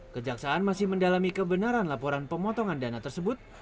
kejaksaan masih mendalami kebenaran laporan pemotongan dana tersebut